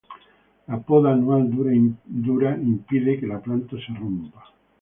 La poda anual dura impide que la planta se rompa.